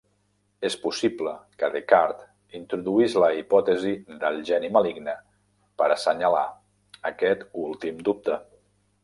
És possible que Descartes introduís la hipòtesi del geni maligne per assenyalar aquest últim dubte.